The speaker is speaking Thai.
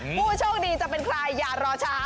ผู้โชคดีจะเป็นใครอย่ารอช้า